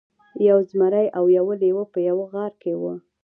یو زمری او یو لیوه په یوه غار کې وو.